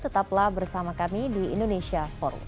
tetaplah bersama kami di indonesia forward